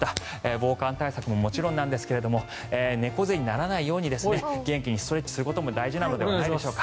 防寒対策ももちろんですが猫背にならないように元気にストレッチすることも大事なのではないでしょうか。